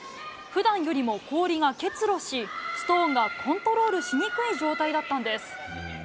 ふだんよりも氷が結露し、ストーンがコントロールしにくい状態だったんです。